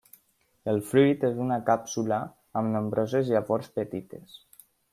El fruit és una càpsula amb nombroses llavors petites.